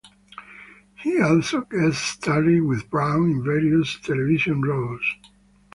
He also guest starred with Brown in various television roles.